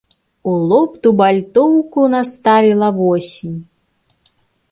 У лоб дубальтоўку наставіла восень.